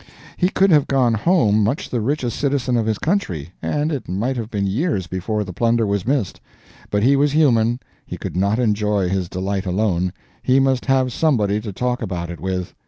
He could have gone home much the richest citizen of his country, and it might have been years before the plunder was missed; but he was human he could not enjoy his delight alone, he must have somebody to talk about it with.